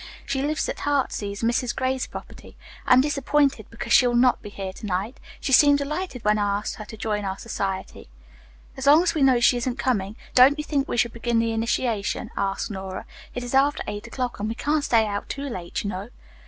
She lives at 'Heartsease,' Mrs. Gray's property. I am disappointed because she will not be here to night. She seemed delighted when I asked her to join our society." "As long as we know she isn't coming, don't you think we should begin the initiation?" asked Nora. "It is after eight o'clock and we can't stay out too late, you know."